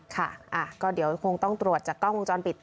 ค่ะก็เดี๋ยวคงต้องตรวจจากกล้องวงจรปิด